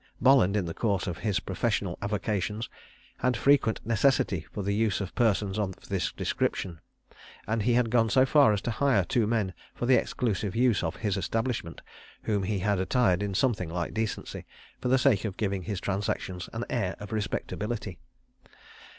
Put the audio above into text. Bolland, in the course of his professional avocations, had frequent necessity for the use of persons of this description; and he had gone so far as to hire two men for the exclusive use of his establishment, whom he had attired in something like decency, for the sake of giving his transactions an air of respectability.